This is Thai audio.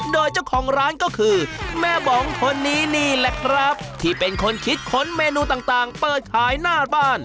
โดยเจ้าของร้านก็คือแม่บองคนนี้นี่แหละครับที่เป็นคนคิดค้นเมนูต่างเปิดขายหน้าบ้าน